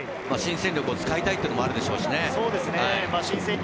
新戦力を使いたいっていうのもあるでしょうし。